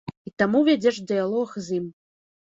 І таму вядзеш дыялог з ім.